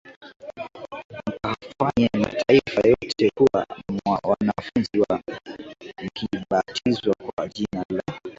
mkawafanye mataifa yote kuwa wanafunzi mkiwabatiza kwa jina la